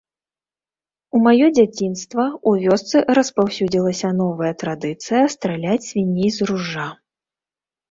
У маё дзяцінства ў вёсцы распаўсюдзілася новая традыцыя страляць свіней з ружжа.